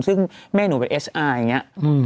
ซึ่งแม่หนูเป็นเอสอาร์อย่างนี้